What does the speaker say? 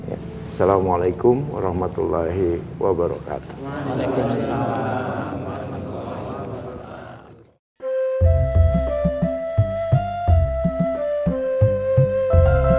assalamu'alaikum warahmatullahi wabarakatuh